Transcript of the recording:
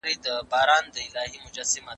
موږ نسو کولای تل پر بهرنیو مرستو تکیه وکړو.